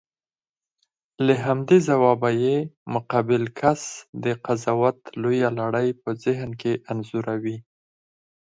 له همدې ځوابه یې مقابل کس د قضاوت لویه لړۍ په ذهن کې انځوروي.